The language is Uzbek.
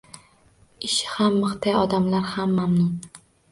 Ishi ham mixday, odamlar ham mamnun.